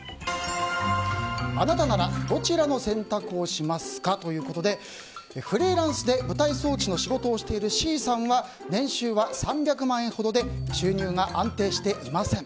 あなたなら、どちらの選択をしますかということでフリーランスで舞台装置の仕事をしているＣさんは年収は３００万円ほどで収入が安定していません。